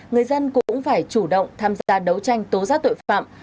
người dân cũng phải chủ động tham gia đấu tranh tố giác tội phạm